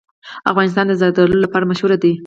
افغانستان د زردالو لپاره مشهور دی.